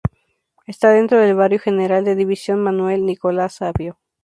Está dentro del Barrio General de División Manuel Nicolás Savio.